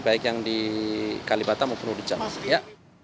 baik yang di kalibata maupun di jawa tengah